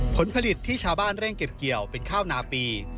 ผลผลิตที่ชาวบ้านเร่งเก็บเกี่ยวเป็นข้าวนาปี